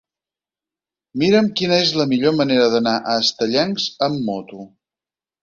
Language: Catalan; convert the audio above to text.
Mira'm quina és la millor manera d'anar a Estellencs amb moto.